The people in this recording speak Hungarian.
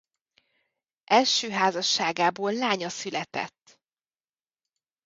Első házasságából lánya született.